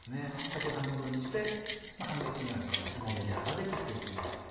縦半分にして半月のようにこのように５ｍｍ幅で切って行きます。